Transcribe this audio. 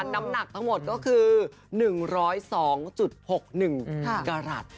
น้ำหนักทั้งหมดก็คือ๑๐๒๖๑กรัฐ